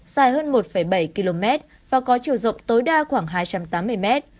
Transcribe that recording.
dài hơn một bảy km và có chiều rộng tối đa khoảng hai trăm tám mươi m